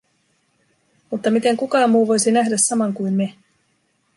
Mutta miten kukaan muu voisi nähdä saman kuin me?